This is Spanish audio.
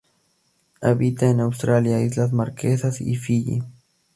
Habita en Australia, Islas Marquesas y Fiyi.